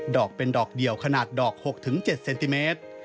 อกเป็นดอกเดียวขนาดดอก๖๗เซนติเมตร